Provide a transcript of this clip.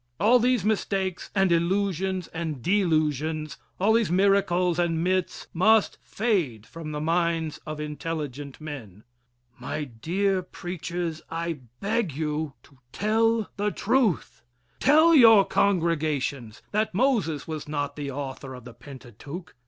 All these mistakes and illusions and delusions all these miracles and myths must fade from the minds of intelligent men. My dear preachers, I beg you to tell the truth. Tell your congregations that Moses was not the author of the Pentateuch.